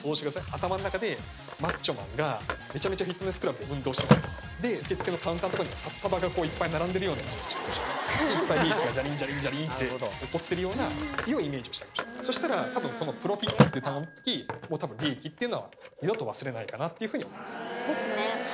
頭ん中でマッチョマンがめちゃめちゃフィットネスクラブで運動してるんですよで受付のカウンターの所には札束がいっぱい並んでるようなイメージいっぱい利益がジャリンジャリンジャリンって起こってるような強いイメージをしてあげましょうそしたら多分この「ｐｒｏｆｉｔ」っていう単語の時もう多分「利益」っていうのは二度と忘れないかなっていうふうに思います